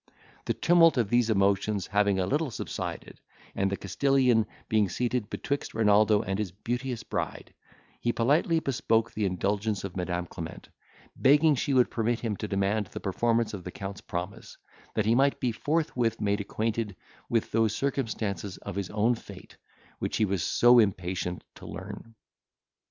The tumult of these emotions having a little subsided, and the Castilian being seated betwixt Renaldo and his beauteous bride, he politely bespoke the indulgence of Madam Clement, begging she would permit him to demand the performance of the Count's promise, that he might be forthwith made acquainted with those circumstances of his own fate which he was so impatient to learn.